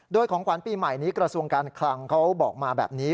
โดยของขวัญปีใหม่นี้กระทรวงการคลังเขาบอกมาแบบนี้